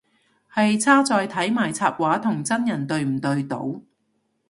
係差在睇埋插畫同真人對唔對到